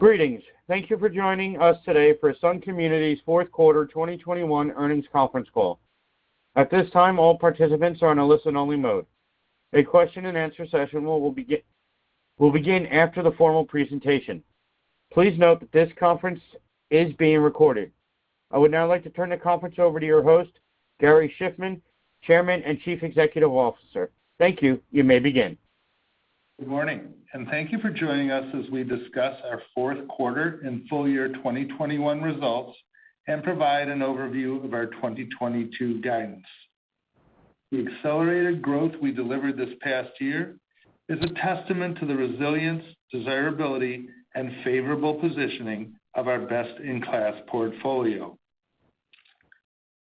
Greetings. Thank you for joining us today for Sun Communities' fourth quarter 2021 earnings conference call. At this time, all participants are in a listen-only mode. A question-and-answer session will begin after the formal presentation. Please note that this conference is being recorded. I would now like to turn the conference over to your host, Gary Shiffman, Chairman and Chief Executive Officer. Thank you. You may begin. Good morning, and thank you for joining us as we discuss our fourth quarter and full year 2021 results and provide an overview of our 2022 guidance. The accelerated growth we delivered this past year is a testament to the resilience, desirability, and favorable positioning of our best-in-class portfolio.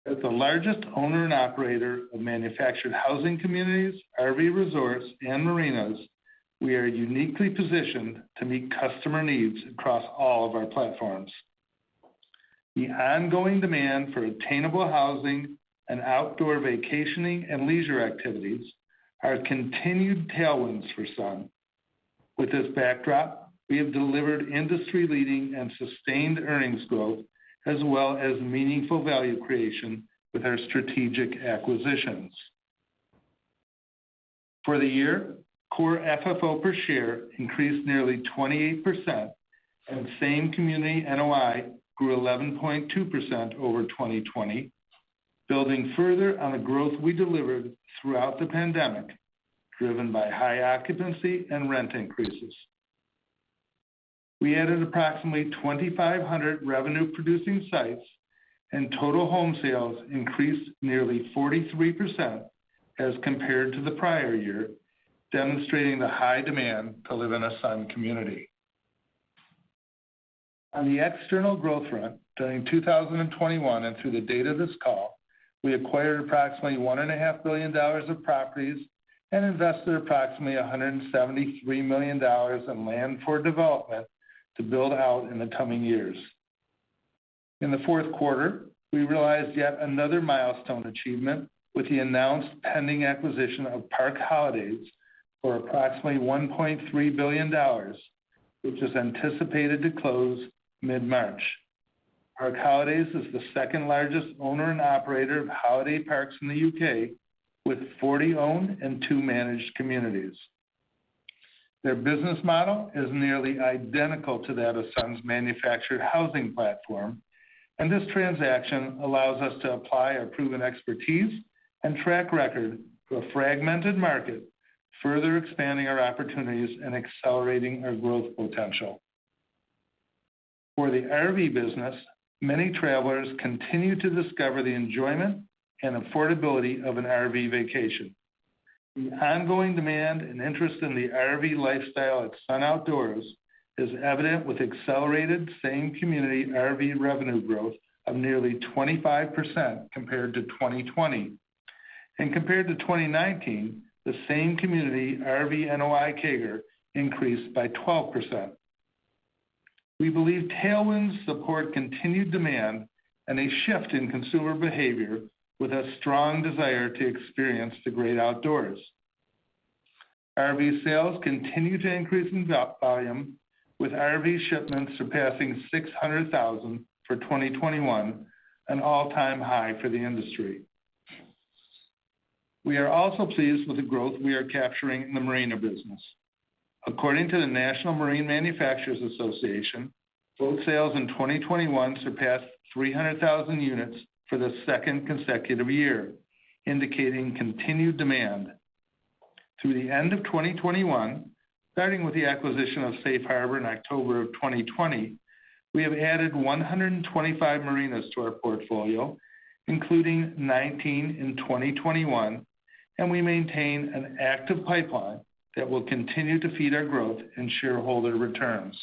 As the largest owner and operator of manufactured housing communities, RV resorts, and marinas, we are uniquely positioned to meet customer needs across all of our platforms. The ongoing demand for attainable housing and outdoor vacationing and leisure activities are continued tailwinds for Sun. With this backdrop, we have delivered industry-leading and sustained earnings growth, as well as meaningful value creation with our strategic acquisitions. For the year, Core FFO per share increased nearly 28% and same community NOI grew 11.2% over 2020, building further on the growth we delivered throughout the pandemic, driven by high occupancy and rent increases. We added approximately 2,500 revenue-producing sites, and total home sales increased nearly 43% as compared to the prior year, demonstrating the high demand to live in a Sun community. On the external growth front, during 2021 and through the date of this call, we acquired approximately $1.5 billion of properties and invested approximately $173 million in land for development to build out in the coming years. In the fourth quarter, we realized yet another milestone achievement with the announced pending acquisition of Park Holidays for approximately $1.3 billion, which is anticipated to close mid-March. Park Holidays is the second largest owner and operator of holiday parks in the U.K., with 40 owned and two managed communities. Their business model is nearly identical to that of Sun's manufactured housing platform, and this transaction allows us to apply our proven expertise and track record to a fragmented market, further expanding our opportunities and accelerating our growth potential. For the RV business, many travelers continue to discover the enjoyment and affordability of an RV vacation. The ongoing demand and interest in the RV lifestyle at Sun Outdoors is evident with accelerated same community RV revenue growth of nearly 25% compared to 2020. Compared to 2019, the same community RV NOI CAGR increased by 12%. We believe tailwinds support continued demand and a shift in consumer behavior with a strong desire to experience the great outdoors. RV sales continue to increase in volume, with RV shipments surpassing 600,000 for 2021, an all-time high for the industry. We are also pleased with the growth we are capturing in the marina business. According to the National Marine Manufacturers Association, boat sales in 2021 surpassed 300,000 units for the second consecutive year, indicating continued demand. Through the end of 2021, starting with the acquisition of Safe Harbor in October of 2020, we have added 125 marinas to our portfolio, including 19 in 2021, and we maintain an active pipeline that will continue to feed our growth and shareholder returns.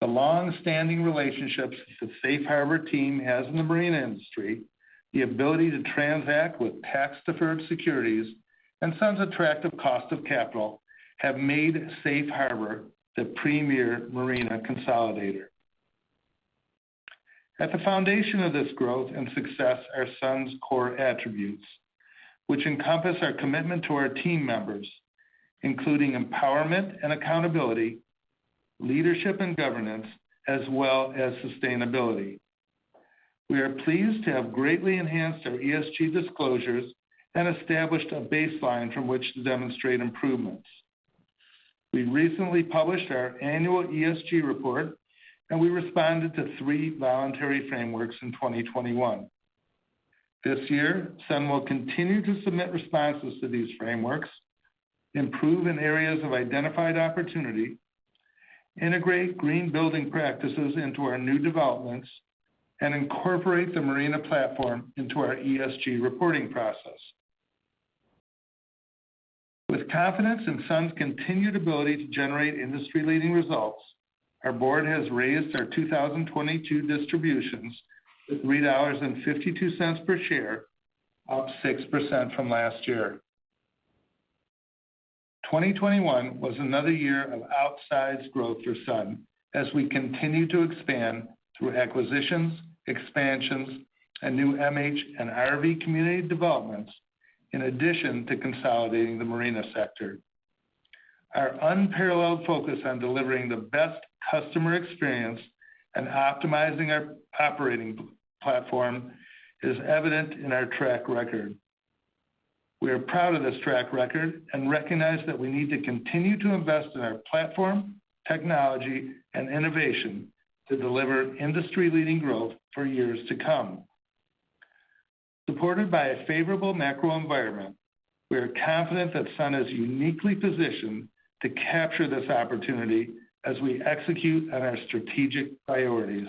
The long-standing relationships the Safe Harbor team has in the marina industry, the ability to transact with tax-deferred securities, and Sun's attractive cost of capital have made Safe Harbor the premier marina consolidator. At the foundation of this growth and success are Sun's core attributes, which encompass our commitment to our team members, including empowerment and accountability, leadership and governance, as well as sustainability. We are pleased to have greatly enhanced our ESG disclosures and established a baseline from which to demonstrate improvements. We recently published our annual ESG report, and we responded to three voluntary frameworks in 2021. This year, Sun will continue to submit responses to these frameworks, improve in areas of identified opportunity, integrate green building practices into our new developments, and incorporate the marina platform into our ESG reporting process. With confidence in Sun's continued ability to generate industry-leading results, our board has raised our 2022 distributions to $3.52 per share, up 6% from last year. 2021 was another year of outsized growth for Sun as we continue to expand through acquisitions, expansions, and new MH and RV community developments, in addition to consolidating the marina sector. Our unparalleled focus on delivering the best customer experience and optimizing our operating platform is evident in our track record. We are proud of this track record and recognize that we need to continue to invest in our platform, technology, and innovation to deliver industry-leading growth for years to come. Supported by a favorable macro environment, we are confident that Sun is uniquely positioned to capture this opportunity as we execute on our strategic priorities.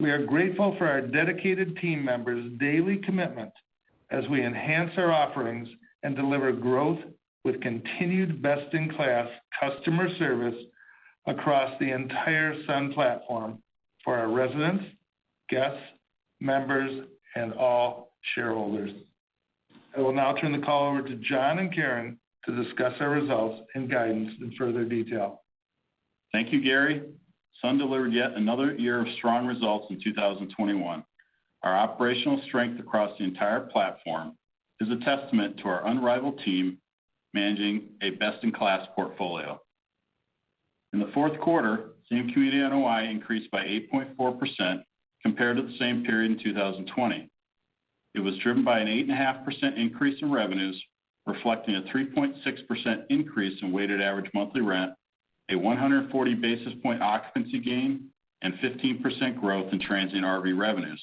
We are grateful for our dedicated team members' daily commitment as we enhance our offerings and deliver growth with continued best-in-class customer service across the entire Sun platform for our residents, guests, members, and all shareholders. I will now turn the call over to John and Karen to discuss our results and guidance in further detail. Thank you, Gary. Sun delivered yet another year of strong results in 2021. Our operational strength across the entire platform is a testament to our unrivaled team managing a best-in-class portfolio. In the fourth quarter, same community NOI increased by 8.4% compared to the same period in 2020. It was driven by an 8.5% increase in revenues, reflecting a 3.6% increase in weighted average monthly rent, a 140 basis point occupancy gain, and 15% growth in transient RV revenues.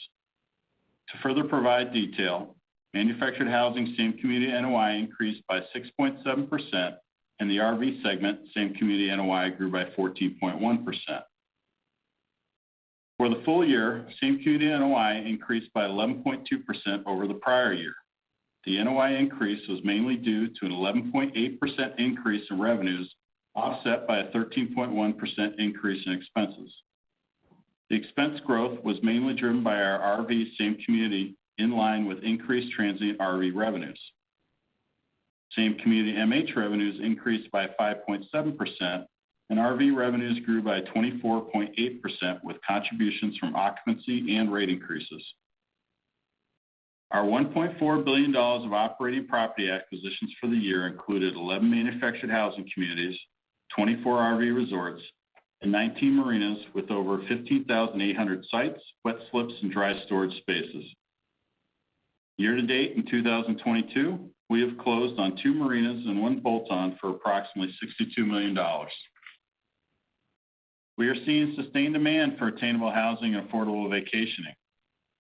To further provide detail, manufactured housing same community NOI increased by 6.7%, and the RV segment same community NOI grew by 14.1%. For the full year, same community NOI increased by 11.2% over the prior year. The NOI increase was mainly due to an 11.8% increase in revenues, offset by a 13.1% increase in expenses. The expense growth was mainly driven by our RV same community, in line with increased transient RV revenues. Same community MH revenues increased by 5.7%, and RV revenues grew by 24.8% with contributions from occupancy and rate increases. Our $1.4 billion of operating property acquisitions for the year included 11 manufactured housing communities, 24 RV resorts, and 19 marinas with over 15,800 sites, wet slips, and dry storage spaces. Year to date in 2022, we have closed on two marinas and one bolt-on for approximately $62 million. We are seeing sustained demand for attainable housing and affordable vacationing.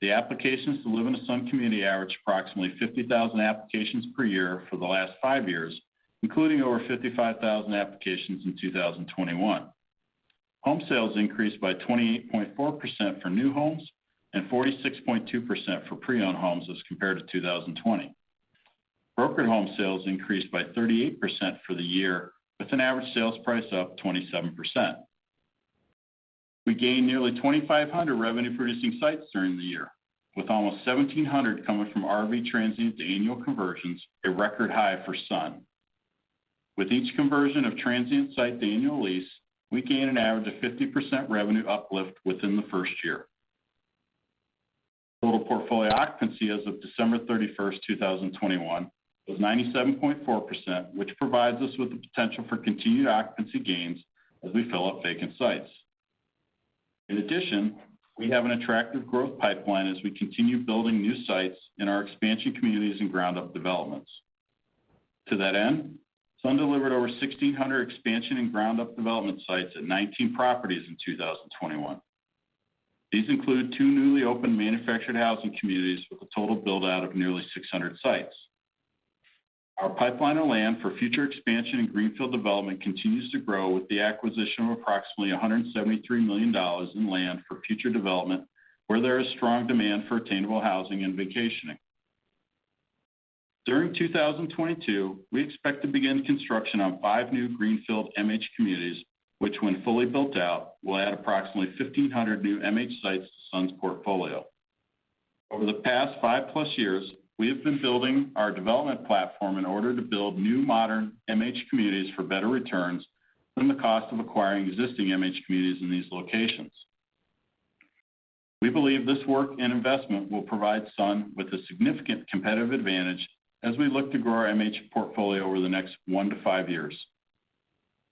The applications to live in a Sun community average approximately 50,000 applications per year for the last five years, including over 55,000 applications in 2021. Home sales increased by 28.4% for new homes and 46.2% for pre-owned homes as compared to 2020. Brokered home sales increased by 38% for the year, with an average sales price up 27%. We gained nearly 2,500 revenue-producing sites during the year, with almost 1,700 coming from RV transient to annual conversions, a record high for Sun. With each conversion of transient site to annual lease, we gain an average of 50% revenue uplift within the first year. Total portfolio occupancy as of December 31st, 2021 was 97.4%, which provides us with the potential for continued occupancy gains as we fill up vacant sites. In addition, we have an attractive growth pipeline as we continue building new sites in our expansion communities and ground-up developments. To that end, Sun delivered over 1,600 expansion and ground-up development sites at 19 properties in 2021. These include two newly opened manufactured housing communities with a total build-out of nearly 600 sites. Our pipeline of land for future expansion and greenfield development continues to grow with the acquisition of approximately $173 million in land for future development, where there is strong demand for attainable housing and vacationing. During 2022, we expect to begin construction on five new greenfield MH communities, which, when fully built out, will add approximately 1,500 new MH sites to Sun's portfolio. Over the past 5+ years, we have been building our development platform in order to build new, modern MH communities for better returns than the cost of acquiring existing MH communities in these locations. We believe this work and investment will provide Sun with a significant competitive advantage as we look to grow our MH portfolio over the next 1 year-5 years.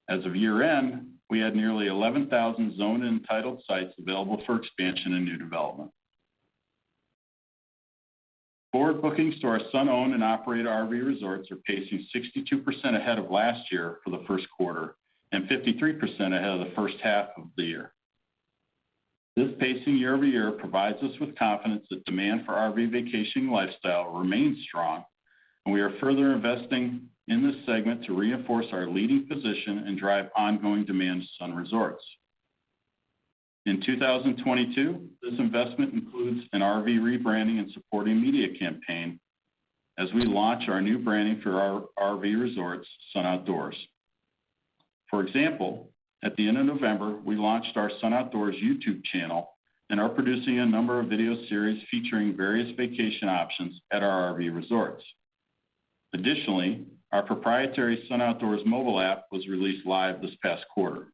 As of year-end, we had nearly 11,000 zoned and titled sites available for expansion and new development. Forward bookings to our Sun-owned and operated RV resorts are pacing 62% ahead of last year for the first quarter and 53% ahead of the first half of the year. This pacing year over year provides us with confidence that demand for RV vacationing lifestyle remains strong, and we are further investing in this segment to reinforce our leading position and drive ongoing demand to Sun Resorts. In 2022, this investment includes an RV rebranding and supporting media campaign as we launch our new branding for our RV resorts, Sun Outdoors. For example, at the end of November, we launched our Sun Outdoors YouTube channel and are producing a number of video series featuring various vacation options at our RV resorts. Additionally, our proprietary Sun Outdoors mobile app was released live this past quarter.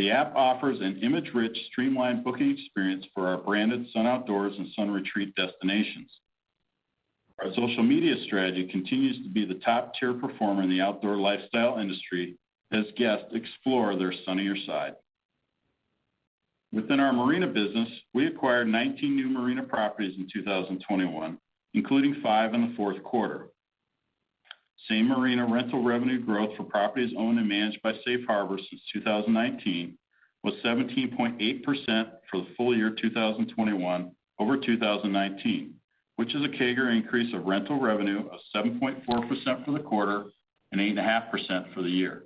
The app offers an image-rich, streamlined booking experience for our branded Sun Outdoors and Sun Retreats destinations. Our social media strategy continues to be the top tier performer in the outdoor lifestyle industry as guests explore their sunnier side. Within our marina business, we acquired 19 new marina properties in 2021, including five in the fourth quarter. Same marina rental revenue growth for properties owned and managed by Safe Harbor since 2019 was 17.8% for the full year 2021 over 2019, which is a CAGR increase of rental revenue of 7.4% for the quarter and 8.5% for the year.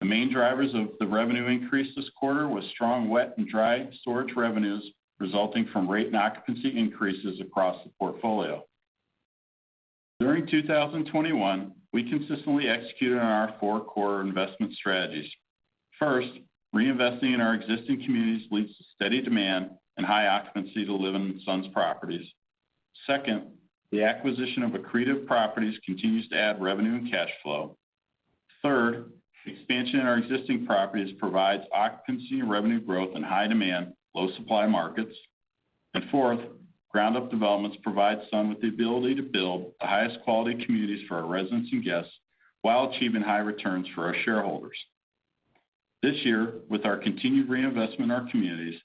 The main drivers of the revenue increase this quarter was strong wet and dry storage revenues resulting from rate and occupancy increases across the portfolio. During 2021, we consistently executed on our four core investment strategies. First, reinvesting in our existing communities leads to steady demand and high occupancy to live in Sun's properties. Second, the acquisition of accretive properties continues to add revenue and cash flow. Third, expansion in our existing properties provides occupancy and revenue growth in high demand, low supply markets. Fourth, ground-up developments provide Sun with the ability to build the highest quality communities for our residents and guests while achieving high returns for our shareholders. This year, with our continued reinvestment in our communities,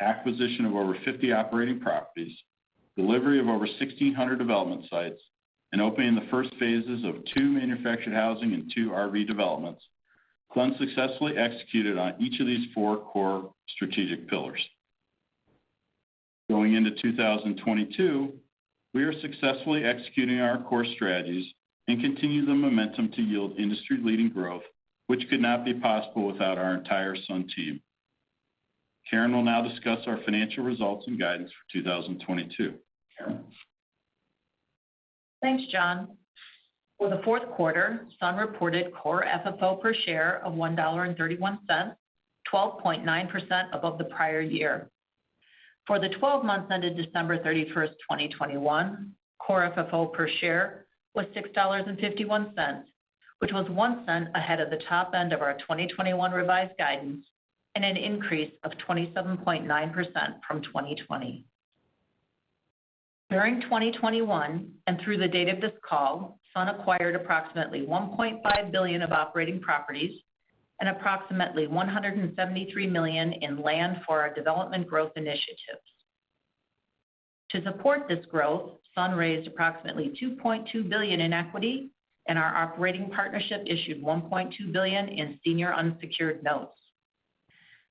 acquisition of over 50 operating properties, delivery of over 1,600 development sites, and opening the first phases of two manufactured housing and two RV developments, Sun successfully executed on each of these four core strategic pillars. Going into 2022, we are successfully executing our core strategies and continue the momentum to yield industry-leading growth, which could not be possible without our entire Sun team. Karen will now discuss our financial results and guidance for 2022. Karen? Thanks, John. For the fourth quarter, Sun reported Core FFO per share of $1.31, 12.9% above the prior year. For the 12 months ended December 31st, 2021, Core FFO per share was $6.51, which was $0.1 Ahead of the top end of our 2021 revised guidance and an increase of 27.9% from 2020. During 2021 and through the date of this call, Sun acquired approximately $1.5 billion of operating properties and approximately $173 million in land for our development growth initiatives. To support this growth, Sun raised approximately $2.2 billion in equity, and our operating partnership issued $1.2 billion in senior unsecured notes.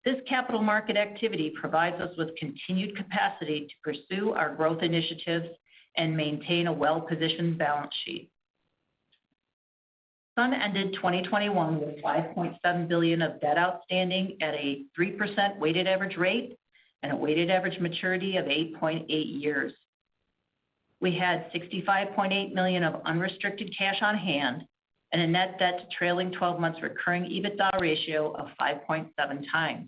This capital market activity provides us with continued capacity to pursue our growth initiatives and maintain a well-positioned balance sheet. Sun ended 2021 with $5.7 billion of debt outstanding at a 3% weighted average rate and a weighted average maturity of 8.8 years. We had $65.8 million of unrestricted cash on hand and a net debt to trailing 12 months recurring EBITDA ratio of 5.7x.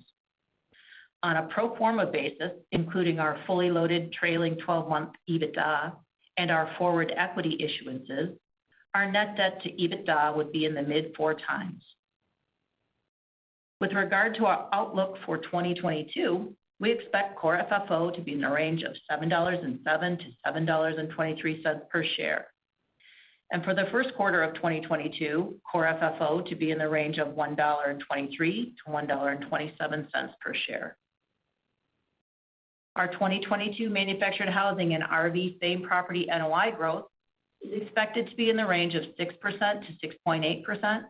On a pro forma basis, including our fully loaded trailing 12-month EBITDA and our forward equity issuances, our net debt to EBITDA would be in the mid-4x. With regard to our outlook for 2022, we expect Core FFO to be in the range of $7.07-$7.23 per share. For the first quarter of 2022, Core FFO to be in the range of $1.23-$1.27 per share. Our 2022 manufactured housing and RV same-property NOI growth is expected to be in the range of 6%-6.8%,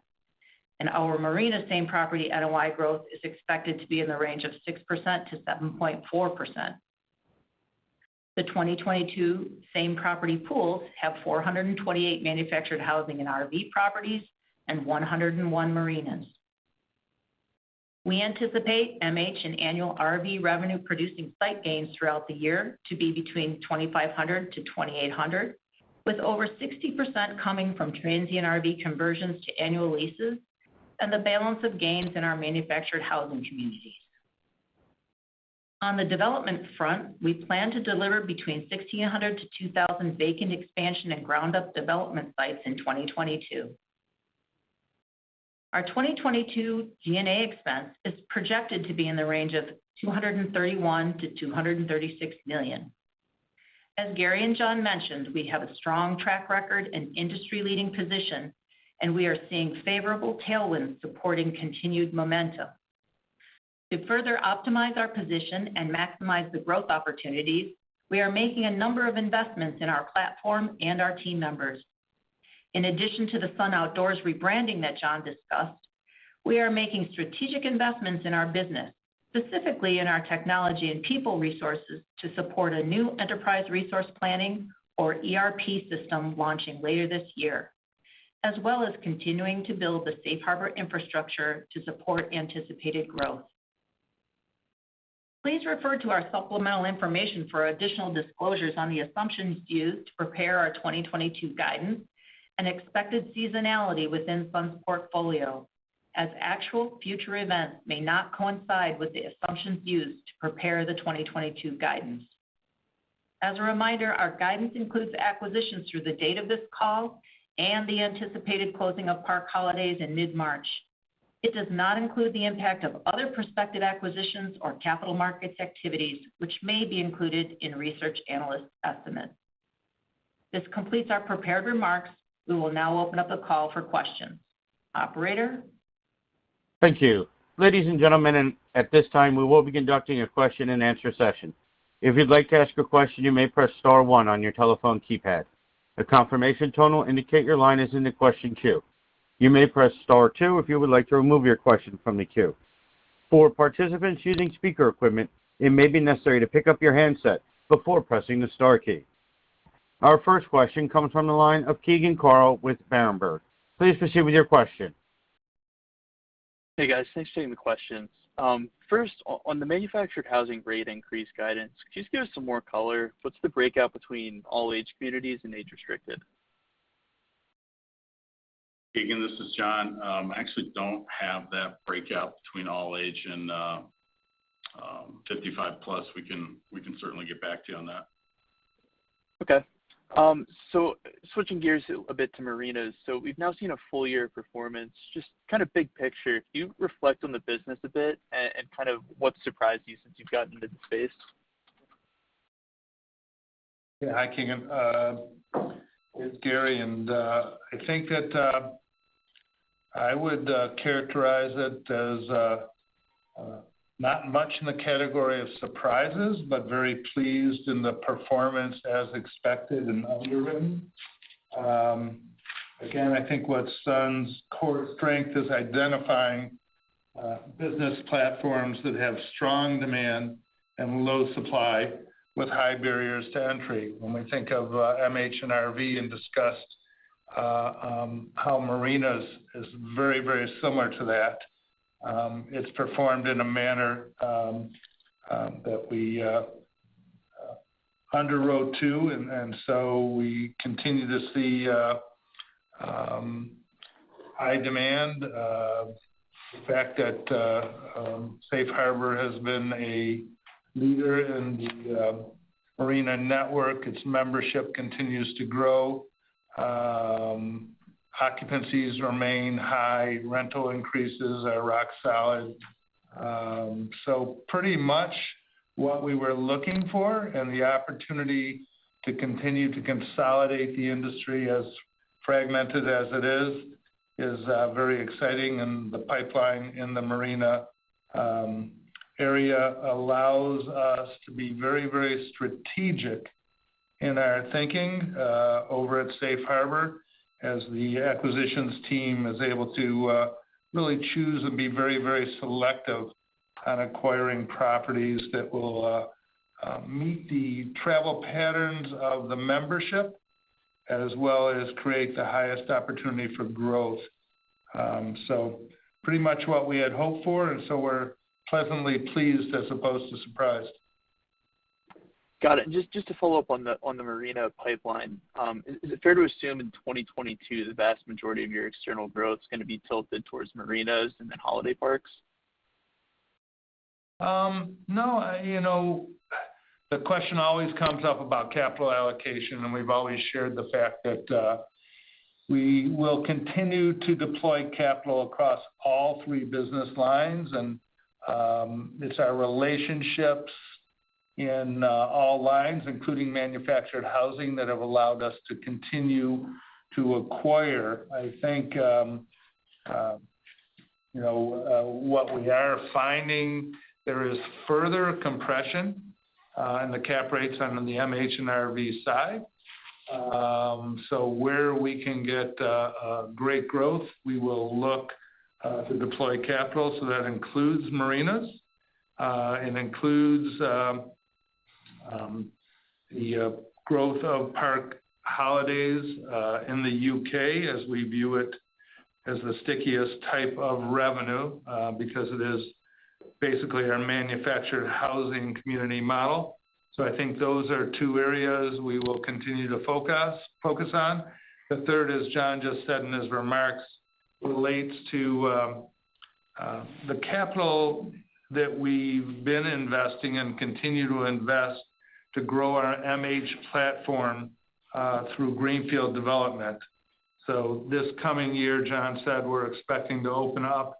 and our marina same-property NOI growth is expected to be in the range of 6%-7.4%. The 2022 same-property pools have 428 manufactured housing and RV properties and 101 marinas. We anticipate MH and annual RV revenue producing site gains throughout the year to be between 2,500-2,800, with over 60% coming from transient RV conversions to annual leases and the balance of gains in our manufactured housing communities. On the development front, we plan to deliver between 1,600-2,000 vacant expansion and ground-up development sites in 2022. Our 2022 G&A expense is projected to be in the range of $231 million-$236 million. As Gary and John mentioned, we have a strong track record and industry-leading position, and we are seeing favorable tailwinds supporting continued momentum. To further optimize our position and maximize the growth opportunities, we are making a number of investments in our platform and our team members. In addition to the Sun Outdoors rebranding that John discussed, we are making strategic investments in our business, specifically in our technology and people resources, to support a new enterprise resource planning, or ERP system launching later this year, as well as continuing to build the Safe Harbor infrastructure to support anticipated growth. Please refer to our supplemental information for additional disclosures on the assumptions used to prepare our 2022 guidance and expected seasonality within Sun's portfolio, as actual future events may not coincide with the assumptions used to prepare the 2022 guidance. As a reminder, our guidance includes acquisitions through the date of this call and the anticipated closing of Park Holidays U.K. in mid-March. It does not include the impact of other prospective acquisitions or capital markets activities, which may be included in research analyst estimates. This completes our prepared remarks. We will now open up the call for questions. Operator? Thank you. Ladies and gentlemen, at this time, we will be conducting a question-and-answer session. If you'd like to ask a question, you may press star one on your telephone keypad. A confirmation tone will indicate your line is in the question queue. You may press star two if you would like to remove your question from the queue. For participants using speaker equipment, it may be necessary to pick up your handset before pressing the star key. Our first question comes from the line of Keegan Carl with Berenberg. Please proceed with your question. Hey, guys. Thanks for taking the questions. First on the manufactured housing rate increase guidance, could you just give us some more color? What's the breakout between all age communities and age-restricted? Keegan, this is John. I actually don't have that breakout between all age and 55+. We can certainly get back to you on that. Okay. Switching gears a bit to marinas. We've now seen a full year of performance. Just kind of big picture, can you reflect on the business a bit and kind of what surprised you since you've got into the space? Yeah. Hi, Keegan. It's Gary, and I think that I would characterize it as not much in the category of surprises, but very pleased in the performance as expected and underwritten. Again, I think what SUN's core strength is identifying business platforms that have strong demand and low supply with high barriers to entry. When we think of MH and RV and discuss how marinas is very similar to that. It's performed in a manner that we underwrote to, and so we continue to see high demand. The fact that Safe Harbor has been a leader in the marina network. Its membership continues to grow. Occupancies remain high. Rental increases are rock solid. Pretty much what we were looking for and the opportunity to continue to consolidate the industry, as fragmented as it is very exciting. The pipeline in the marina area allows us to be very, very strategic in our thinking over at Safe Harbor, as the acquisitions team is able to really choose and be very, very selective on acquiring properties that will meet the travel patterns of the membership as well as create the highest opportunity for growth. Pretty much what we had hoped for, and so we're pleasantly pleased as opposed to surprised. Got it. Just to follow up on the marina pipeline. Is it fair to assume in 2022, the vast majority of your external growth is gonna be tilted towards marinas and then holiday parks? No, you know, the question always comes up about capital allocation, and we've always shared the fact that we will continue to deploy capital across all three business lines. It's our relationships in all lines, including manufactured housing that have allowed us to continue to acquire. I think, you know, what we are finding, there is further compression in the cap rates on the MH and RV side. Where we can get a great growth, we will look to deploy capital, so that includes marinas. It includes the growth of Park Holidays in the U.K. as we view it as the stickiest type of revenue because it is basically our manufactured housing community model. I think those are two areas we will continue to focus on. The third, as John just said in his remarks, relates to the capital that we've been investing and continue to invest to grow our MH platform through greenfield development. This coming year, John said we're expecting to open up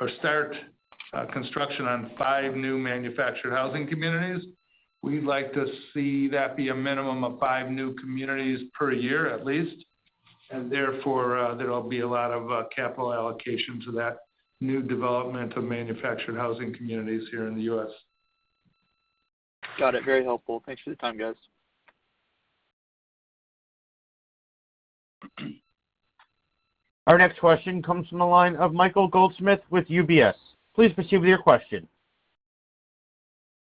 or start construction on five new manufactured housing communities. We'd like to see that be a minimum of five new communities per year at least, and therefore there'll be a lot of capital allocation to that new development of manufactured housing communities here in the U.S. Got it. Very helpful. Thanks for the time, guys. Our next question comes from the line of Michael Goldsmith with UBS. Please proceed with your question.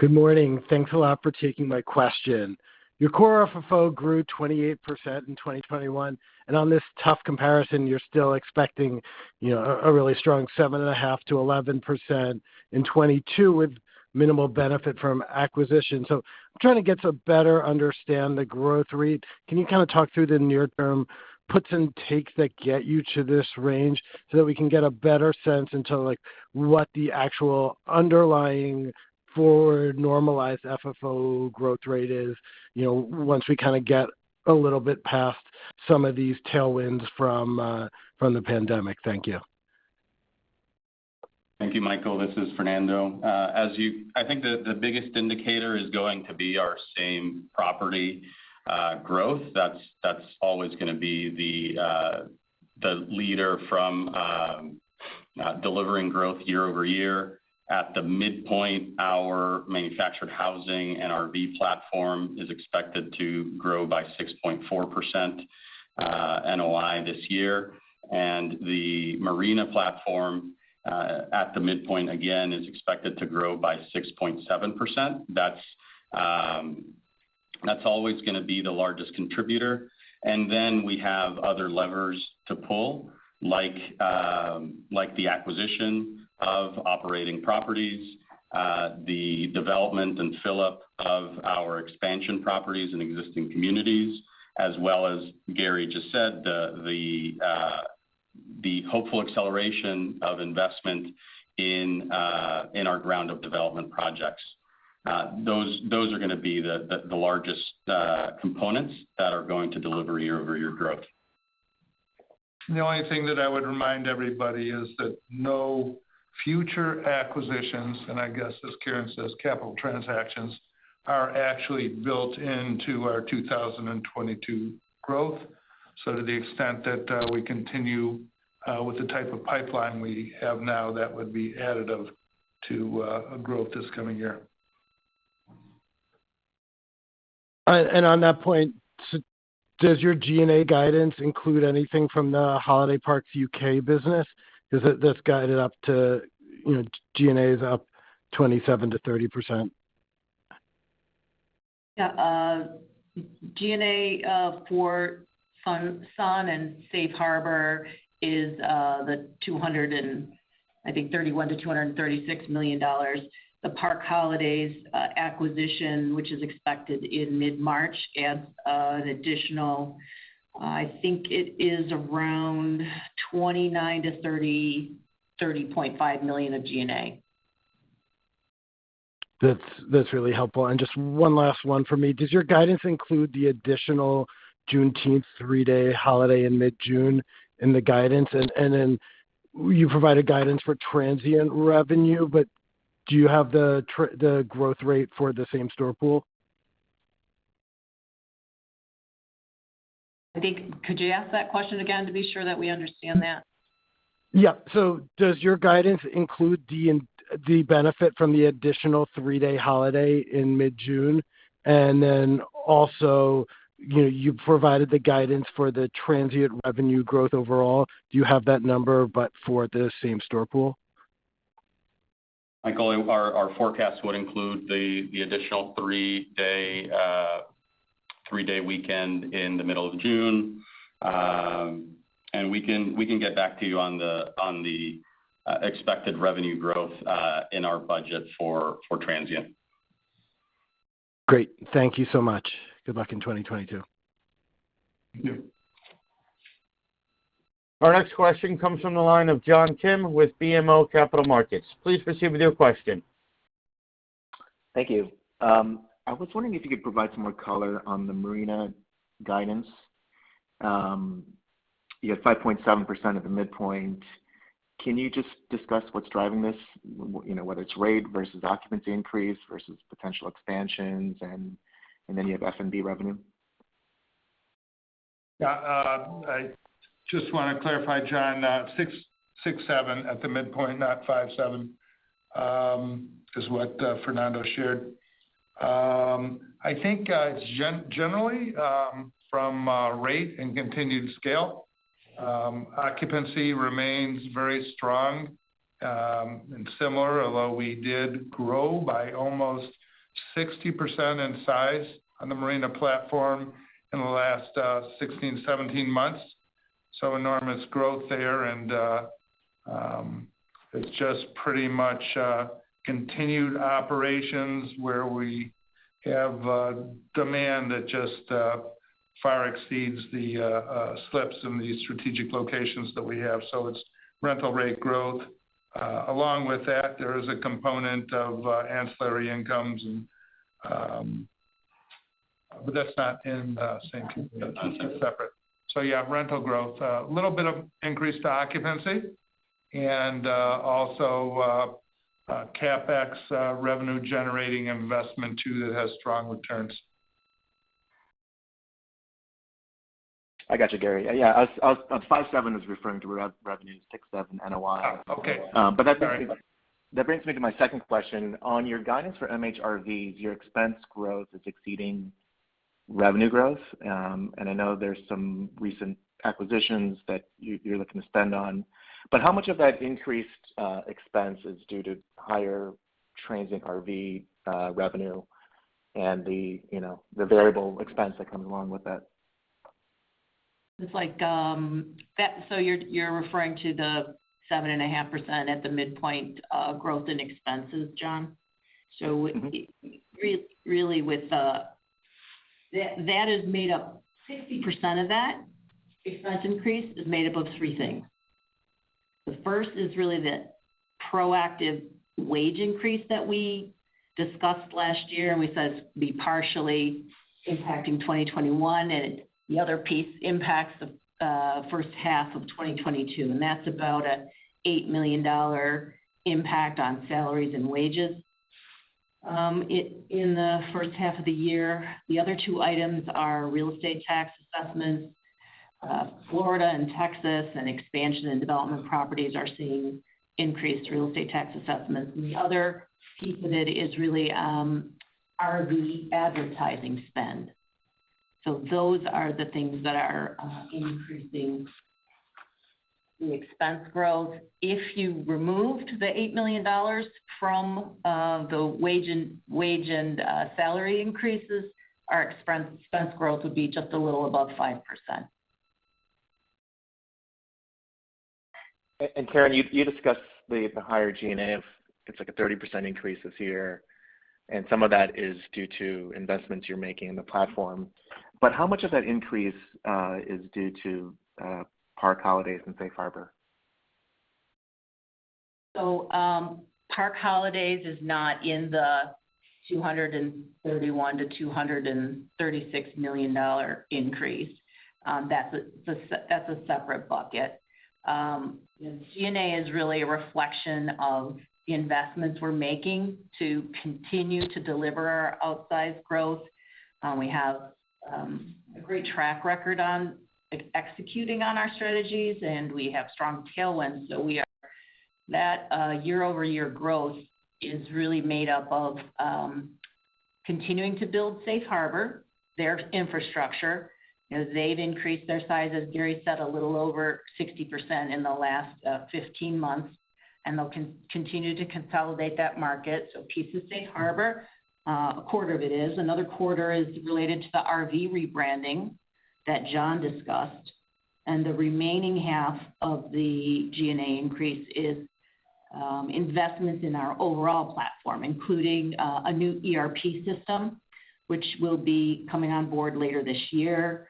Good morning. Thanks a lot for taking my question. Your Core FFO grew 28% in 2021, and on this tough comparison, you're still expecting, you know, a really strong 7.5%-11% in 2022 with minimal benefit from acquisition. I'm trying to better understand the growth rate. Can you kind of talk through the near term puts and takes that get you to this range so that we can get a better sense into, like, what the actual underlying forward normalized FFO growth rate is, you know, once we kind of get a little bit past some of these tailwinds from the pandemic? Thank you. Thank you, Michael. This is Fernando. I think the biggest indicator is going to be our same-property growth. That's always gonna be the leader in delivering growth year-over-year. At the midpoint, our manufactured housing and RV platform is expected to grow by 6.4% NOI this year. The marina platform, at the midpoint again, is expected to grow by 6.7%. That's always gonna be the largest contributor. Then we have other levers to pull, like the acquisition of operating properties, the development and fill-up of our expansion properties in existing communities, as well as Gary just said, the hopeful acceleration of investment in our ground-up development projects. Those are gonna be the largest components that are going to deliver year-over-year growth. The only thing that I would remind everybody is that no future acquisitions, and I guess as Karen says, capital transactions, are actually built into our 2022 growth. To the extent that we continue with the type of pipeline we have now, that would be additive to growth this coming year. on that point, does your G&A guidance include anything from the Park Holidays U.K. business? Is this guidance up to, G&A's up 27%-30%. Yeah, G&A for Sun and Safe Harbor is $231 million-$236 million. The Park Holidays acquisition, which is expected in mid-March, adds an additional, I think it is around $29 million-$30.5 million of G&A. That's really helpful. Just one last one for me. Does your guidance include the additional Juneteenth three-day holiday in mid-June in the guidance? Then you provided guidance for transient revenue, but do you have the growth rate for the same-store pool? Could you ask that question again to be sure that we understand that? Yeah. Does your guidance include the benefit from the additional three-day holiday in mid-June? You know, you provided the guidance for the transient revenue growth overall. Do you have that number but for the same-store pool? Michael, our forecast would include the additional three-day weekend in the middle of June. We can get back to you on the expected revenue growth in our budget for transient. Great. Thank you so much. Good luck in 2022. Thank you. Our next question comes from the line of John Kim with BMO Capital Markets. Please proceed with your question. Thank you. I was wondering if you could provide some more color on the marina guidance. You know, 5.7% at the midpoint. Can you just discuss what's driving this? You know, whether it's rate versus occupancy increase versus potential expansions and any of F&B revenue. I just wanna clarify, John, 67 at the midpoint, not 57, is what Fernando shared. I think generally from rate and continued scale occupancy remains very strong and similar, although we did grow by almost 60% in size on the marina platform in the last 16 months-17 months. Enormous growth there and it's just pretty much continued operations where we have demand that just far exceeds the slips in the strategic locations that we have. It's rental rate growth. Along with that, there is a component of ancillary incomes, but that's not in the same. That's separate. Yeah, rental growth, a little bit of increased occupancy and also CapEx revenue generating investment too that has strong returns. I got you, Gary. Yeah, 57 is referring to revenue, 67, NOI. Oh, okay. That brings me. All right. That brings me to my second question. On your guidance for MHRVs, your expense growth is exceeding revenue growth. I know there's some recent acquisitions that you're looking to spend on. How much of that increased expense is due to higher transient RV revenue and the, you know, the variable expense that comes along with that? You're referring to the 7.5% at the midpoint growth in expenses, John? Really, that is made up. 50% of that expense increase is made up of three things. The first is really the proactive wage increase that we discussed last year, and we said it'd be partially impacting 2021, and the other piece impacts the first half of 2022, and that's about an $8 million impact on salaries and wages in the first half of the year. The other two items are real estate tax assessments. Florida and Texas and expansion and development properties are seeing increased real estate tax assessments. The other piece of it is really RV advertising spend. Those are the things that are increasing the expense growth. If you removed the $8 million from the wage and salary increases, our expense growth would be just a little above 5%. Karen, you discussed the higher G&A. It's like a 30% increase this year, and some of that is due to investments you're making in the platform. How much of that increase is due to Park Holidays and Safe Harbor? Park Holidays is not in the $231 million-$236 million increase. That's a separate bucket. G&A is really a reflection of the investments we're making to continue to deliver our outsized growth. We have a great track record on executing on our strategies, and we have strong tailwinds. That year-over-year growth is really made up of continuing to build Safe Harbor their infrastructure. You know, they've increased their size, as Gary said, a little over 60% in the last 15 months, and they'll continue to consolidate that market. A piece of Safe Harbor, a quarter of it is. Another quarter is related to the RV rebranding that John discussed. The remaining half of the G&A increase is investments in our overall platform, including a new ERP system, which will be coming on board later this year,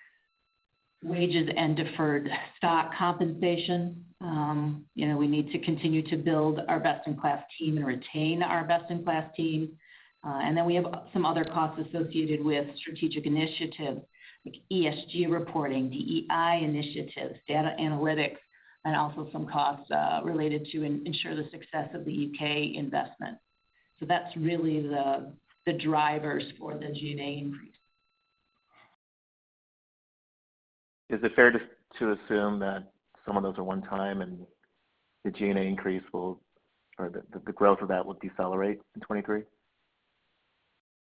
wages and deferred stock compensation. You know, we need to continue to build our best-in-class team and retain our best-in-class team. Then we have some other costs associated with strategic initiatives, like ESG reporting, DEI initiatives, data analytics, and also some costs related to ensure the success of the U.K. investment. That's really the drivers for the G&A increase. Is it fair to assume that some of those are one-time and the G&A increase or the growth of that will decelerate in 2023?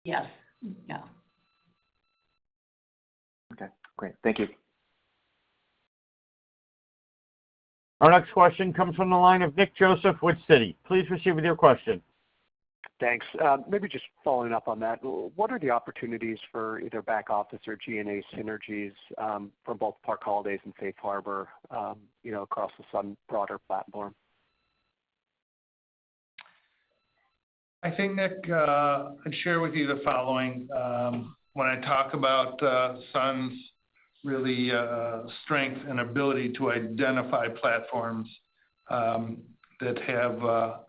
Yes. Yeah. Okay, great. Thank you. Our next question comes from the line of Nick Joseph with Citi. Please proceed with your question. Thanks. Maybe just following up on that, what are the opportunities for either back office or G&A synergies for both Park Holidays and Safe Harbor, you know, across the Sun broader platform? I think, Nick, I'd share with you the following. When I talk about Sun's real strength and ability to identify platforms that have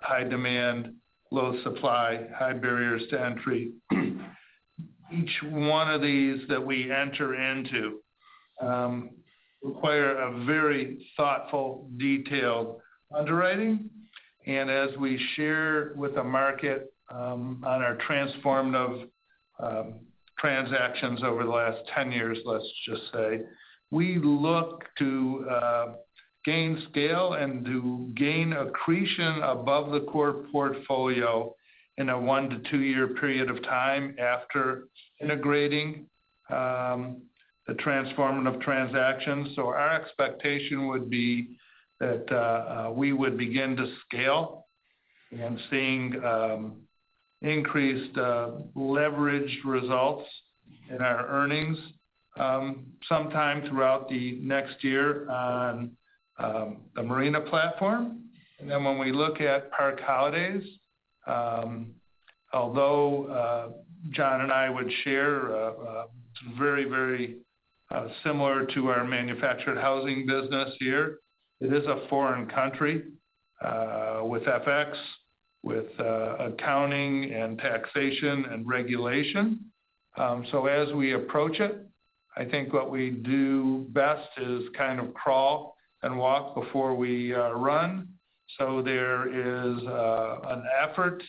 high demand, low supply, high barriers to entry, each one of these that we enter into require a very thoughtful, detailed underwriting. As we share with the market on our transformative transactions over the last 10 years, let's just say, we look to gain scale and to gain accretion above the core portfolio in a one to two-year period of time after integrating the transformative transactions. Our expectation would be that we would begin to scale, and seeing increased leverage results in our earnings sometime throughout the next year on the marina platform. Then when we look at Park Holidays, although John and I would share, it's very similar to our manufactured housing business here, it is a foreign country with FX, with accounting and taxation and regulation. As we approach it, I think what we do best is kind of crawl and walk before we run. There is an effort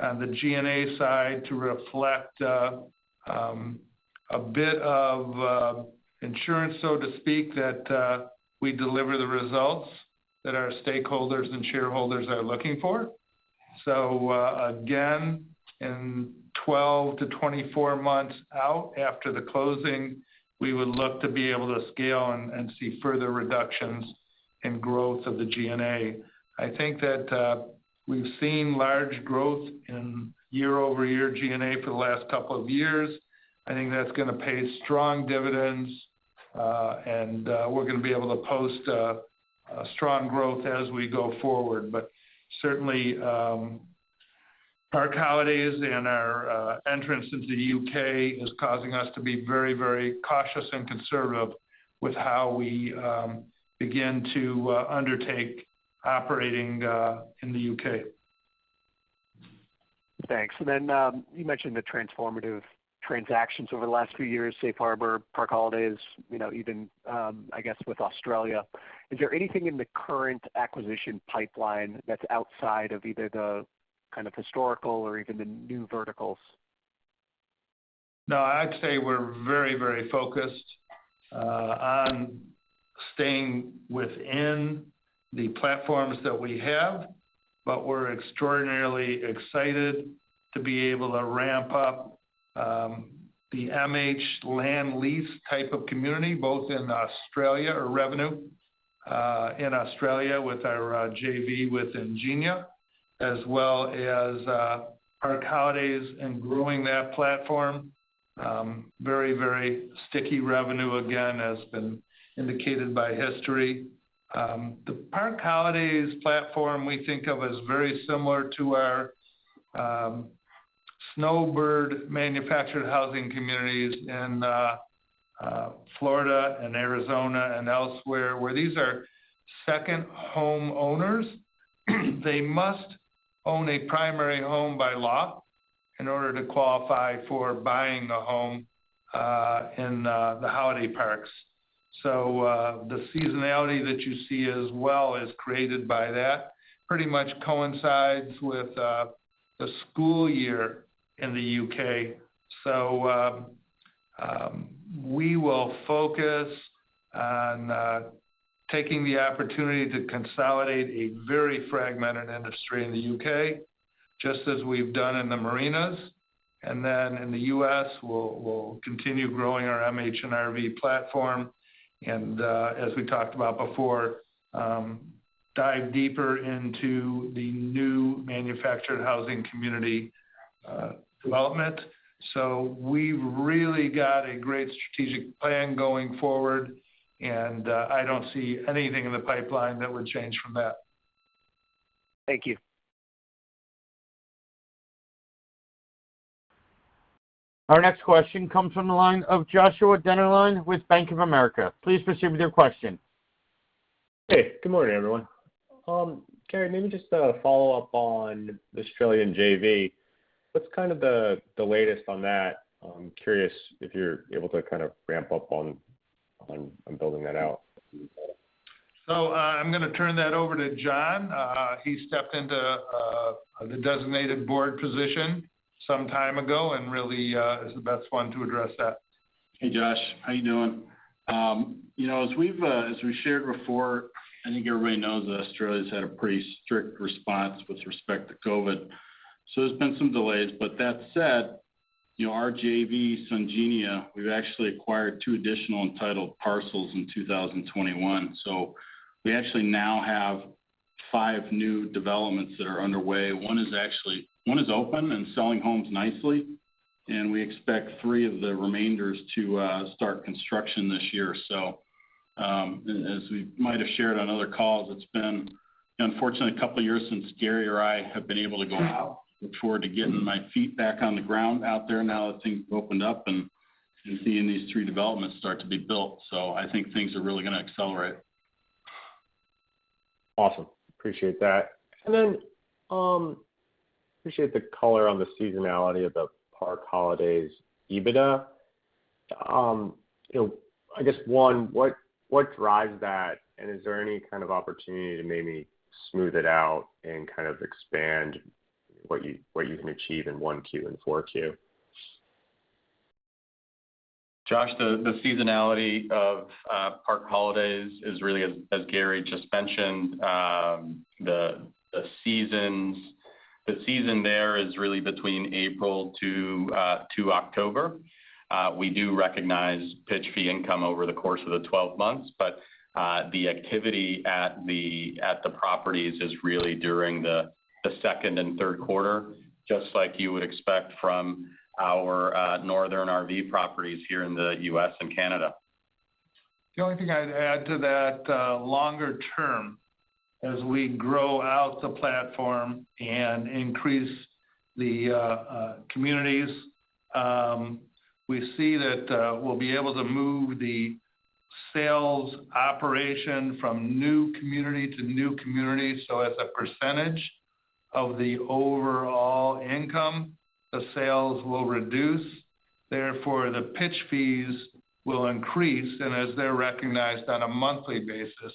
on the G&A side to reflect a bit of insurance, so to speak, that we deliver the results that our stakeholders and shareholders are looking for. Again, in 12 months-24 months out after the closing, we would look to be able to scale and see further reductions in growth of the G&A. I think that we've seen large growth in year-over-year G&A for the last couple of years. I think that's gonna pay strong dividends, and we're gonna be able to post a strong growth as we go forward. Certainly, Park Holidays and our entrance into the U.K. is causing us to be very, very cautious and conservative with how we begin to undertake operating in the U.K. Thanks. Then, you mentioned the transformative transactions over the last few years, Safe Harbor, Park Holidays, you know, even, I guess with Australia. Is there anything in the current acquisition pipeline that's outside of either the kind of historical or even the new verticals? No. I'd say we're very, very focused on staying within the platforms that we have, but we're extraordinarily excited to be able to ramp up the MH land lease type of community, both in Australia, our revenue in Australia with our JV with Ingenia, as well as Park Holidays and growing that platform. Very, very sticky revenue again, as has been indicated by history. The Park Holidays platform we think of as very similar to our snowbird manufactured housing communities in Florida and Arizona and elsewhere, where these are second-home owners. They must own a primary home by law in order to qualify for buying a home in the Holiday Parks. The seasonality that you see as well is created by that, pretty much coincides with the school year in the U.K. We will focus on taking the opportunity to consolidate a very fragmented industry in the U.K., just as we've done in the marinas. In the U.S., we'll continue growing our MH and RV platform, and as we talked about before, dive deeper into the new manufactured housing community development. We've really got a great strategic plan going forward, and I don't see anything in the pipeline that would change from that. Thank you. Our next question comes from the line of Joshua Dennerlein with Bank of America. Please proceed with your question. Hey, good morning, everyone. Gary, maybe just a follow-up on the Australian JV. What's kind of the latest on that? I'm curious if you're able to kind of ramp up on building that out. I'm gonna turn that over to John. He stepped into the designated board position some time ago, and really is the best one to address that. Hey, Josh. How you doing? You know, as we've as we shared before, I think everybody knows that Australia's had a pretty strict response with respect to COVID, so there's been some delays. But that said, you know, our JV, Sungenia, we've actually acquired two additional entitled parcels in 2021. So we actually now have five new developments that are underway. One is open and selling homes nicely, and we expect three of the remaining to start construction this year. As we might have shared on other calls, it's been unfortunately a couple years since Gary or I have been able to go out. I look forward to getting my feet back on the ground out there now that things have opened up and seeing these three developments start to be built. I think things are really gonna accelerate. Awesome. Appreciate that. Appreciate the color on the seasonality of the Park Holidays EBITDA. You know, I guess, one, what drives that? Is there any kind of opportunity to maybe smooth it out and kind of expand what you can achieve in Q1 and Q4? Josh, the seasonality of Park Holidays is really as Gary just mentioned, the seasons. The season there is really between April to October. We do recognize pitch fee income over the course of the 12 months, but the activity at the properties is really during the second and third quarter, just like you would expect from our northern RV properties here in the U.S. and Canada. The only thing I'd add to that, longer term, as we grow out the platform and increase the communities, we see that we'll be able to move the sales operation from new community to new community. As a percentage of the overall income, the sales will reduce, therefore the pitch fees will increase. As they're recognized on a monthly basis,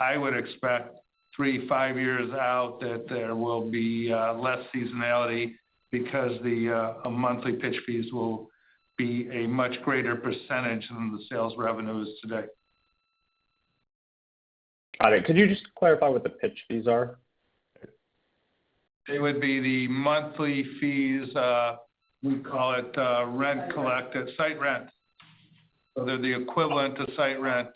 I would expect three, five years out that there will be less seasonality because the monthly pitch fees will be a much greater percentage than the sales revenues today. Got it. Could you just clarify what the pitch fees are? They would be the monthly fees, we call it rent collected, site rent. They're the equivalent to site rent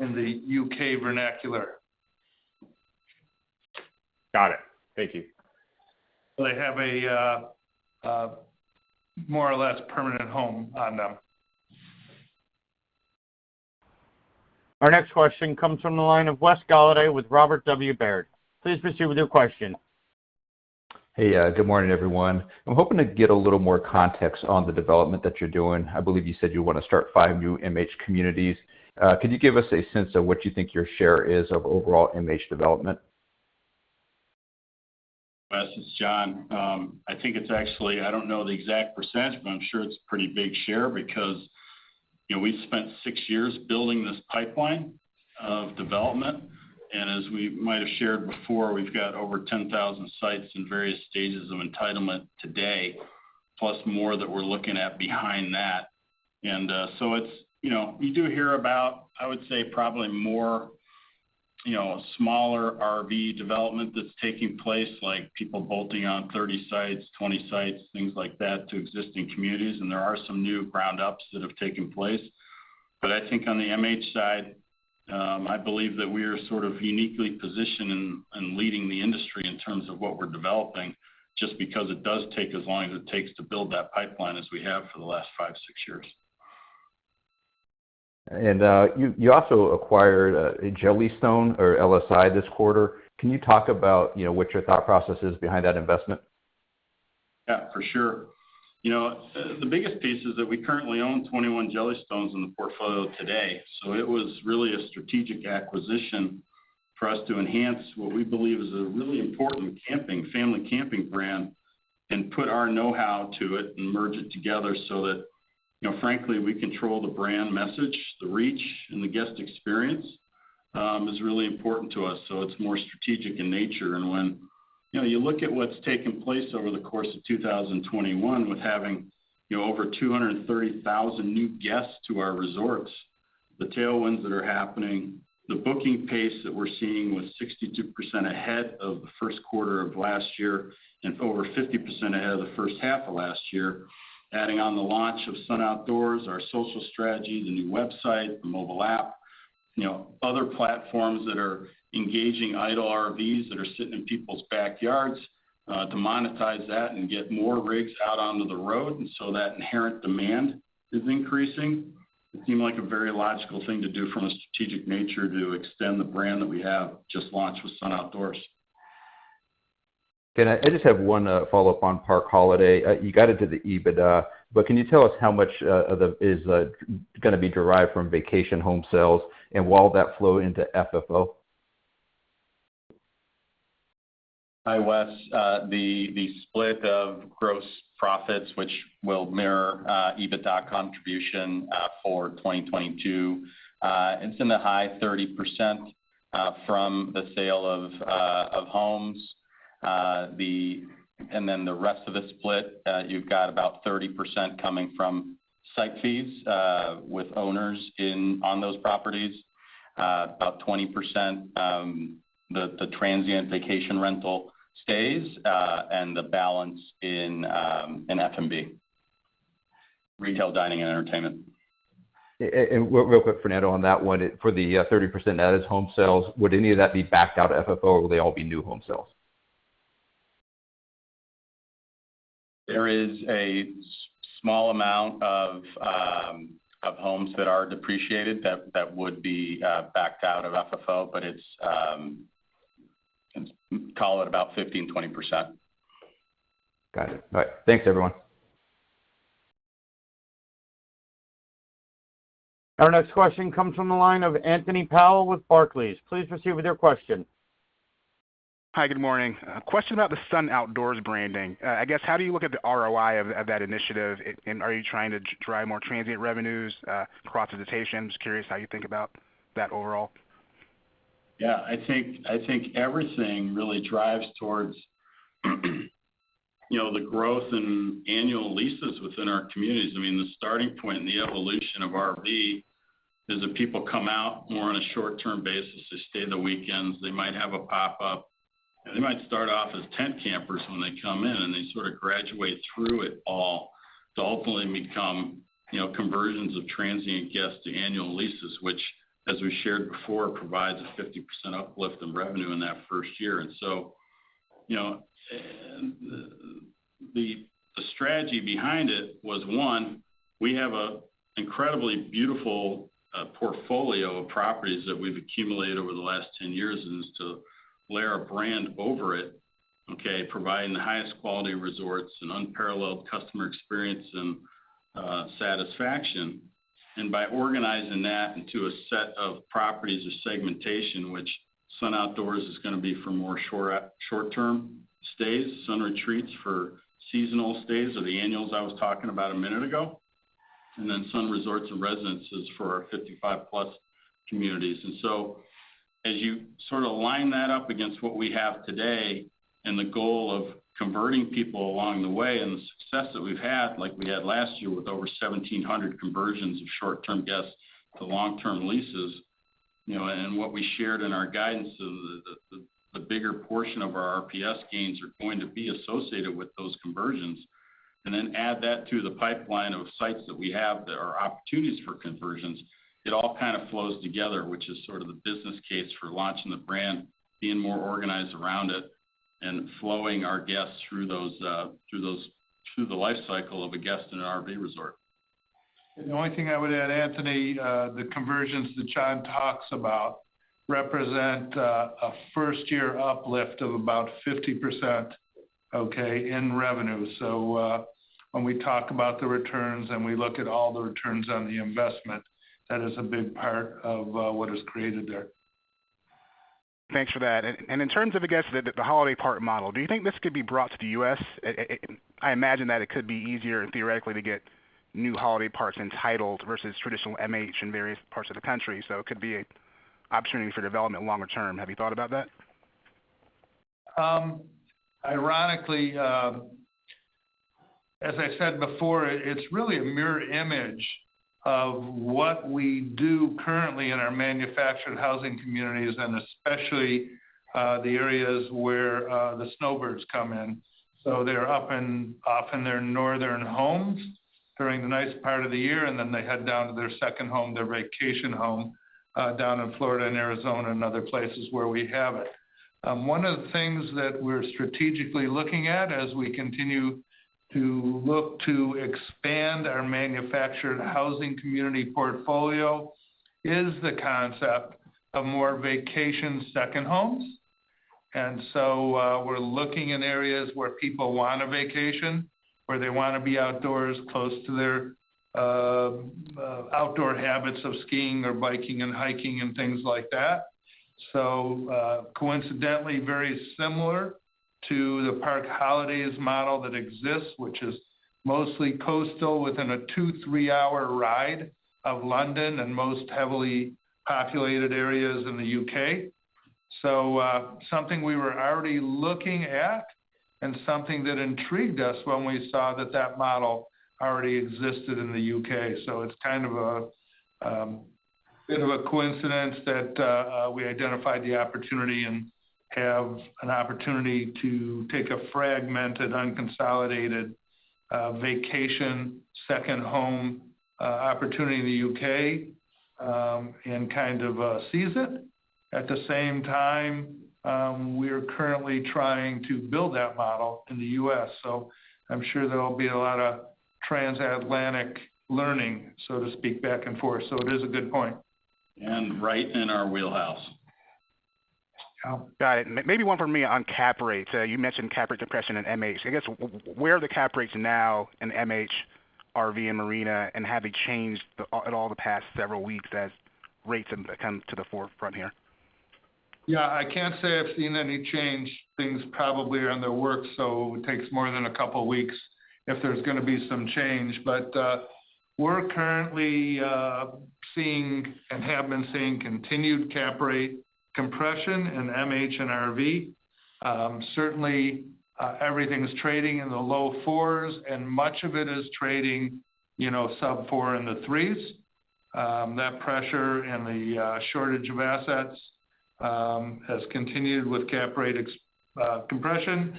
in the U.K. vernacular. Got it. Thank you. They have a more or less permanent home on them. Our next question comes from the line of Wes Golladay with Robert W. Baird. Please proceed with your question. Hey, good morning, everyone. I'm hoping to get a little more context on the development that you're doing. I believe you said you wanna start five new MH communities. Could you give us a sense of what you think your share is of overall MH development? Wes, it's John. I think it's actually I don't know the exact percentage, but I'm sure it's pretty big share because, you know, we spent six years building this pipeline of development. As we might have shared before, we've got over 10,000 sites in various stages of entitlement today, plus more that we're looking at behind that. It's, you know. We do hear about, I would say, probably more, you know, smaller RV development that's taking place, like people bolting on 30 sites, 20 sites, things like that, to existing communities, and there are some new ground ups that have taken place. I think on the MH side, I believe that we're sort of uniquely positioned in leading the industry in terms of what we're developing, just because it does take as long as it takes to build that pipeline as we have for the last five, six years. You also acquired Jellystone or LSI this quarter. Can you talk about, you know, what your thought process is behind that investment? Yeah, for sure. You know, the biggest piece is that we currently own 21 Jellystones in the portfolio today. It was really a strategic acquisition for us to enhance what we believe is a really important camping, family camping brand, and put our know-how to it and merge it together so that, you know, frankly, we control the brand message, the reach, and the guest experience is really important to us, so it's more strategic in nature. When, you know, you look at what's taken place over the course of 2021 with having, you know, over 230,000 new guests to our resorts, the tailwinds that are happening, the booking pace that we're seeing was 62% ahead of the first quarter of last year and over 50% ahead of the first half of last year. Adding on the launch of Sun Outdoors, our social strategy, the new website, the mobile app, you know, other platforms that are engaging idle RVs that are sitting in people's backyards, to monetize that and get more rigs out onto the road, and so that inherent demand is increasing. It seemed like a very logical thing to do from a strategic nature to extend the brand that we have just launched with Sun Outdoors. I just have one follow-up on Park Holidays. You got into the EBITDA, but can you tell us how much of the EBITDA is gonna be derived from vacation home sales, and will that flow into FFO? Hi, Wes. The split of gross profits, which will mirror EBITDA contribution for 2022, it's in the high 30% from the sale of homes. The rest of the split, you've got about 30% coming from site fees with owners in on those properties, about 20% the transient vacation rental stays, and the balance in F&B, retail, dining, and entertainment. Real quick, Fernando, on that one. For the 30% that is home sales, would any of that be backed out of FFO, or will they all be new home sales? There is a small amount of homes that are depreciated that would be backed out of FFO, but it's call it about 15%-20%. Got it. All right. Thanks, everyone. Our next question comes from the line of Anthony Powell with Barclays. Please proceed with your question. Hi. Good morning. A question about the Sun Outdoors branding. I guess, how do you look at the ROI of that initiative? Are you trying to drive more transient revenues, cross-utilization? Just curious how you think about that overall. I think everything really drives towards, you know, the growth in annual leases within our communities. I mean, the starting point and the evolution of RV is that people come out more on a short-term basis. They stay the weekends. They might have a pop-up. They might start off as tent campers when they come in, and they sort of graduate through it all to ultimately become, you know, conversions of transient guests to annual leases, which, as we shared before, provides a 50% uplift in revenue in that first year. You know, the strategy behind it was, one, we have a incredibly beautiful portfolio of properties that we've accumulated over the last 10 years, and it's to layer a brand over it, okay? Providing the highest quality resorts and unparalleled customer experience and satisfaction. By organizing that into a set of properties or segmentation, which Sun Outdoors is gonna be for more short-term stays, Sun Retreats for seasonal stays or the annuals I was talking about a minute ago, and then Sun Resorts & Residences for our 55+ communities. As you sort of line that up against what we have today and the goal of converting people along the way and the success that we've had, like we had last year with over 1,700 conversions of short-term guests to long-term leases, you know, and what we shared in our guidance of the bigger portion of our RPS gains are going to be associated with those conversions. Add that to the pipeline of sites that we have that are opportunities for conversions. It all kind of flows together, which is sort of the business case for launching the brand, being more organized around it. Flowing our guests through those, through the life cycle of a guest in an RV resort. The only thing I would add, Anthony, the conversions that John talks about represent a first-year uplift of about 50%, okay, in revenue. When we talk about the returns and we look at all the returns on the investment, that is a big part of what is created there. Thanks for that. In terms of, I guess, the holiday park model, do you think this could be brought to the U.S.? I imagine that it could be easier theoretically to get new holiday parks entitled versus traditional MH in various parts of the country. It could be an opportunity for development longer term. Have you thought about that? Ironically, as I said before, it's really a mirror image of what we do currently in our manufactured housing communities and especially the areas where the snowbirds come in. They're off in their northern homes during the nice part of the year, and then they head down to their second home, their vacation home down in Florida and Arizona and other places where we have it. One of the things that we're strategically looking at as we continue to look to expand our manufactured housing community portfolio is the concept of more vacation second homes. We're looking in areas where people wanna vacation, where they wanna be outdoors, close to their outdoor habits of skiing or biking and hiking and things like that. Coincidentally very similar to the Park Holidays model that exists, which is mostly coastal within a two, three hour ride of London and most heavily populated areas in the U.K. Something we were already looking at and something that intrigued us when we saw that model already existed in the U.K. It's kind of a bit of a coincidence that we identified the opportunity and have an opportunity to take a fragmented, unconsolidated vacation second home opportunity in the U.K. and kind of seize it. At the same time, we are currently trying to build that model in the U.S., so I'm sure there will be a lot of transatlantic learning, so to speak, back and forth. It is a good point. Right in our wheelhouse. Got it. Maybe one for me on cap rates. You mentioned cap rate depression in MH. I guess where are the cap rates now in MH, RV, and marina, and have they changed at all the past several weeks as rates have come to the forefront here? Yeah. I can't say I've seen any change. Things probably are in the works, so it takes more than a couple of weeks if there's gonna be some change. We're currently seeing and have been seeing continued cap rate compression in MH and RV. Certainly, everything is trading in the low fours, and much of it is trading, you know, sub four in the threes. That pressure and the shortage of assets has continued with cap rate compression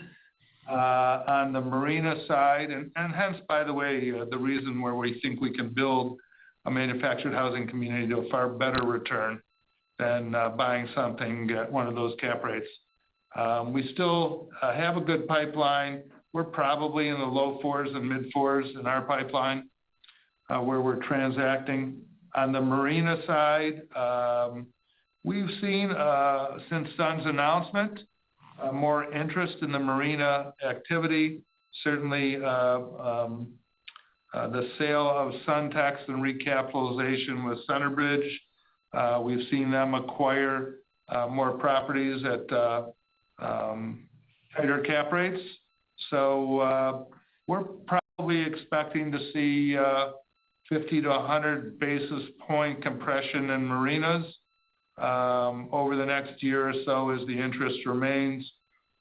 on the marina side, and hence, by the way, the reason where we think we can build a manufactured housing community to a far better return than buying something at one of those cap rates. We still have a good pipeline. We're probably in the low fours and mid-fours in our pipeline where we're transacting. On the marina side, we've seen since Sun's announcement more interest in the marina activity. Certainly, the sale of Suntex and recapitalization with Centerbridge. We've seen them acquire more properties at tighter cap rates. We're probably expecting to see 50 basis points-100 basis points compression in marinas over the next year or so as the interest remains.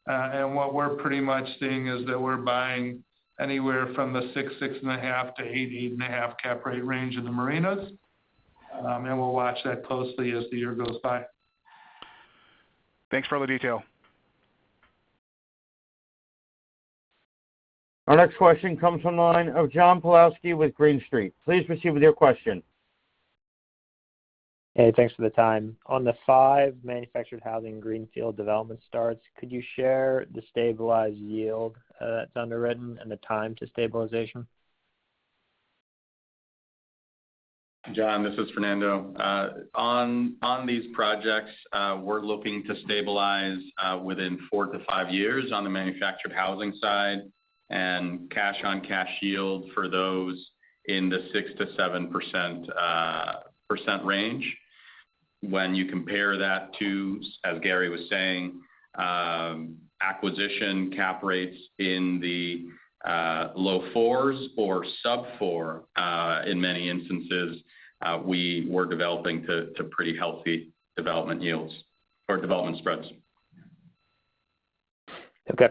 What we're pretty much seeing is that we're buying anywhere from the 6%-6.5% to 8%-8.5% cap rate range in the marinas. We'll watch that closely as the year goes by. Thanks for all the detail. Our next question comes from the line of John Pawlowski with Green Street. Please proceed with your question. Hey, thanks for the time. On the five manufactured housing greenfield development starts, could you share the stabilized yield that's underwritten and the time to stabilization? John, this is Fernando. On these projects, we're looking to stabilize within four to five years on the manufactured housing side, and cash-on-cash yield for those in the 6%-7% range. When you compare that to, as Gary was saying, acquisition cap rates in the low 4s or sub-4 in many instances, we were developing to pretty healthy development yields or development spreads. Okay.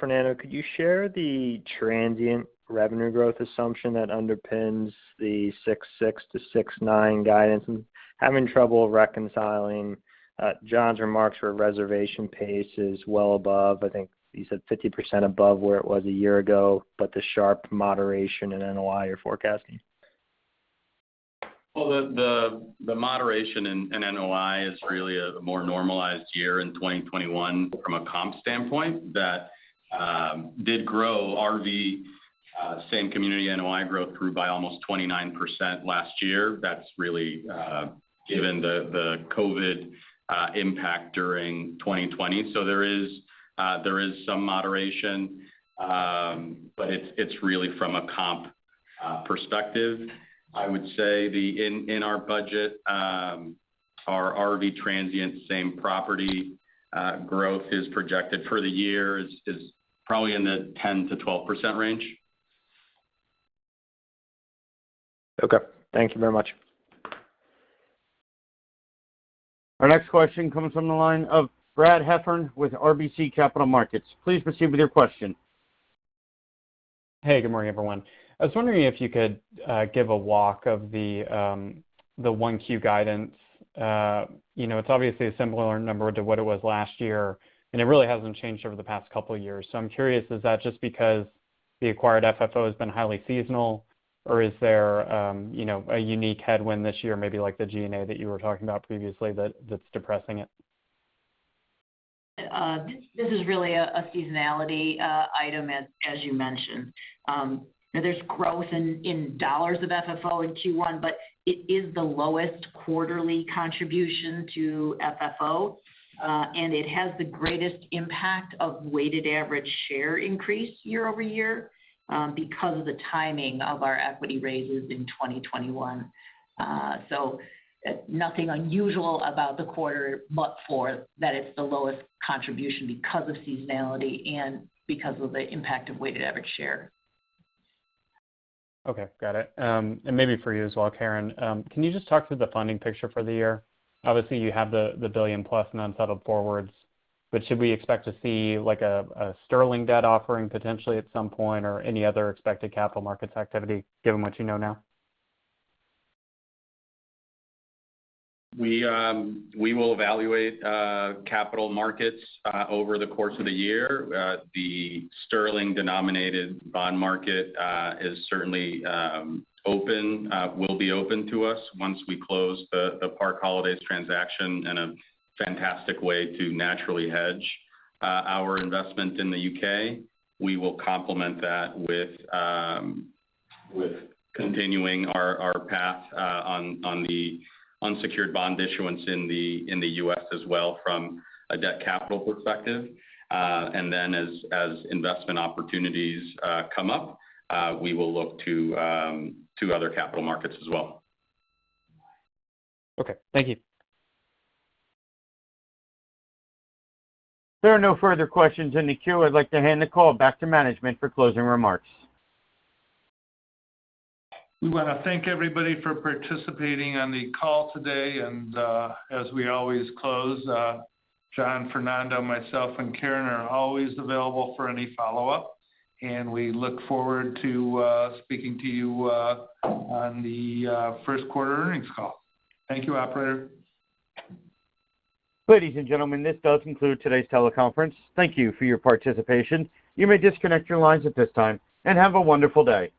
Fernando, could you share the transient revenue growth assumption that underpins the $6.6-$6.9 guidance? I'm having trouble reconciling John's remarks for reservation pace is well above. I think he said 50% above where it was a year ago, but the sharp moderation in NOI you're forecasting. Well, the moderation in NOI is really a more normalized year in 2021 from a comp standpoint that did grow RV same community NOI growth by almost 29% last year. That's really given the COVID impact during 2020. So there is some moderation, but it's really from a comp perspective. I would say in our budget our RV transient same property growth is projected for the year probably in the 10%-12% range. Okay. Thank you very much. Our next question comes from the line of Brad Heffern with RBC Capital Markets. Please proceed with your question. Hey, good morning, everyone. I was wondering if you could give a walk of the 1Q guidance. You know, it's obviously a similar number to what it was last year, and it really hasn't changed over the past couple of years. I'm curious, is that just because the acquired FFO has been highly seasonal or is there a unique headwind this year, maybe like the G&A that you were talking about previously that's depressing it? This is really a seasonality item as you mentioned. Now there's growth in dollars of FFO in Q1, but it is the lowest quarterly contribution to FFO, and it has the greatest impact of weighted average share increase year-over-year, because of the timing of our equity raises in 2021. Nothing unusual about the quarter but for that it's the lowest contribution because of seasonality and because of the impact of weighted average share. Okay, got it. Maybe for you as well, Karen, can you just talk through the funding picture for the year? Obviously, you have the $1 billion+ unsettled forwards, but should we expect to see like a sterling debt offering potentially at some point or any other expected capital markets activity given what you know now? We will evaluate capital markets over the course of the year. The sterling-denominated bond market is certainly open, will be open to us once we close the Park Holidays transaction in a fantastic way to naturally hedge our investment in the U.K. We will complement that with continuing our path on the unsecured bond issuance in the U.S. as well from a debt capital perspective. As investment opportunities come up, we will look to other capital markets as well. Okay. Thank you. If there are no further questions in the queue, I'd like to hand the call back to management for closing remarks. We wanna thank everybody for participating on the call today, and as we always close, John, Fernando, myself, and Karen are always available for any follow-up, and we look forward to speaking to you on the first quarter earnings call. Thank you, operator. Ladies and gentlemen, this does conclude today's teleconference. Thank you for your participation. You may disconnect your lines at this time, and have a wonderful day.